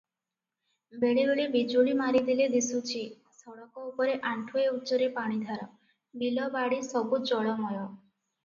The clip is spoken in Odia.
ବେଳେବେଳେ ବିଜୁଳି ମାରିଦେଲେ ଦିଶୁଚି- ସଡ଼କ ଉପରେ ଆଣ୍ଠୁଏ ଉଚ୍ଚରେ ପାଣିଧାର, ବିଲ ବାଡ଼ି ସବୁ ଜଳମୟ ।